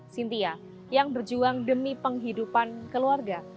sintia yang berjuang demi penghidupan keluarga